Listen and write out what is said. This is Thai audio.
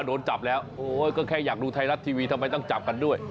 โดนจับแล้วก็แค่อยากดูไทยรัฐทีวีทำไมต้องจับกันด้วย